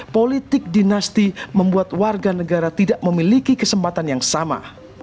politik dinasti membuat warga negara tidak memiliki kesempatan yang sama